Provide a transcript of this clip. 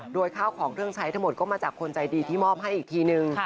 โดยข้าวของเครื่องใช้ทั้งหมดก็มาจากคนใจดีที่มอบให้อีกทีนึง